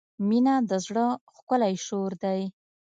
• مینه د زړۀ ښکلی شور دی.